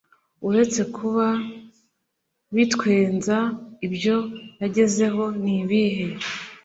Uretse kuba bitwenza, ibyo yagezeho nibihe